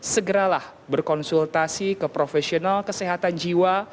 segeralah berkonsultasi ke profesional kesehatan jiwa